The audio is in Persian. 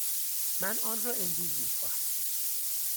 من آن را امروز می خواهم.